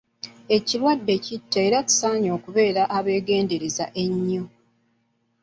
Ekirwadde kitta era tusaanye okubeera abeegendereza ennyo.